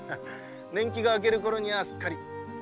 年季が明けるころにはすっかり。